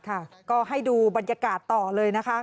ก็ให้ดูบรรยากาศต่อเลยนะคะ